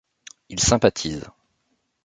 Ils sympathisent.